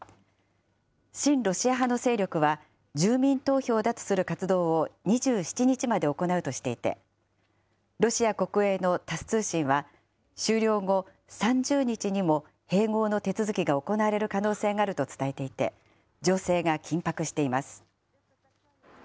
親ロシア派の勢力は、住民投票だとする活動を２７日まで行うとしていて、ロシア国営のタス通信は、終了後３０日にも併合の手続きが行われる可能性があると伝えていて、情勢が緊迫しています。